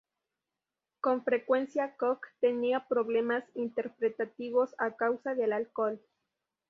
Con frecuencia Cook tenía problemas interpretativos a causa del alcohol.